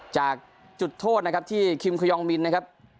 จากจุดโทษนะครับที่คิมขยองมินนะครับ